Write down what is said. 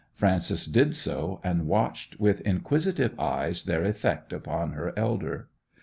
Frances did so, and watched with inquisitive eyes their effect upon her elder.